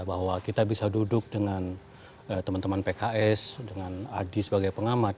bahwa kita bisa duduk dengan teman teman pks dengan adi sebagai pengamat